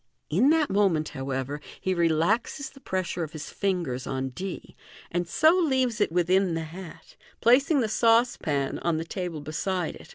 In that moment, however, \ e relaxes the pressure of his fingers on d, and so leaves it within the hat, placing the saucepan on the table beside it.